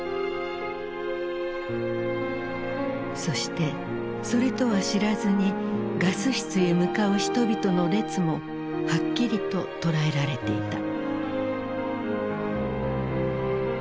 そしてそれとは知らずにガス室へ向かう人々の列もはっきりと捉えられていた。